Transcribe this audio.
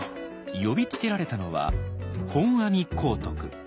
呼びつけられたのは本阿弥光徳。